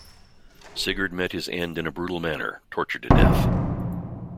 Sigurd met his end in a brutal manner, tortured to death.